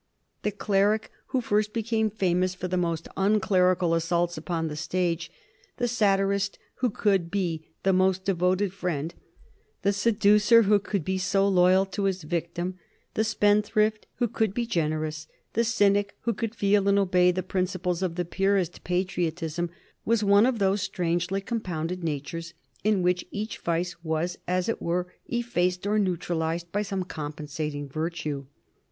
The cleric who first became famous for most unclerical assaults upon the stage, the satirist who could be the most devoted friend, the seducer who could be so loyal to his victim, the spendthrift who could be generous, the cynic who could feel and obey the principles of the purest patriotism, was one of those strangely compounded natures in which each vice was as it were effaced or neutralized by some compensating virtue.